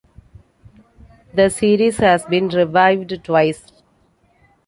The series has been revived twice.